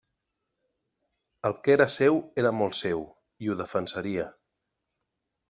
El que era seu era molt seu, i ho defensaria.